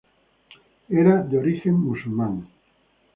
Era de origen musulmán.